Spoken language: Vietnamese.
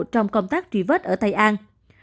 trong công tác tri vết ở tây an